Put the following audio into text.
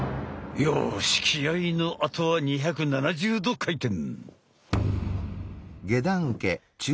よし気合いのあとは２７０度回転。